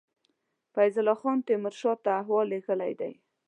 فیض الله خان تېمور شاه ته احوال لېږلی دی.